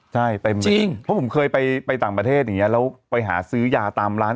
ใช่ไปเมืองจริงเพราะผมเคยไปต่างประเทศอย่างนี้แล้วไปหาซื้อยาตามร้าน